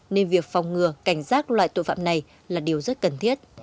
nên việc phòng ngừa cảnh giác loại tội phạm này là điều rất cần thiết